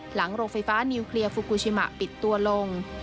โรงไฟฟ้านิวเคลียร์ฟูกูชิมะปิดตัวลง